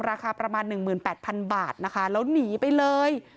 ราคาประมาณ๑๘๐๐๐บาทนะคะแล้วหนีไปเลย